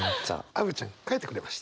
アヴちゃん書いてくれました。